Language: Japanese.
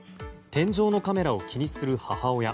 天井のカメラを気にする母親。